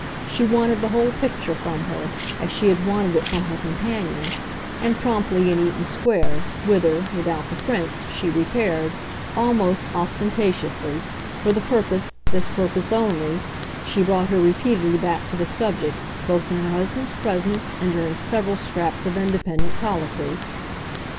She wanted the whole picture from her, as she had wanted it from her companion, and, promptly, in Eaton Square, whither, without the Prince, she repaired, almost ostentatiously, for the purpose, this purpose only, she brought her repeatedly back to the subject, both in her husband's presence and during several scraps of independent colloquy.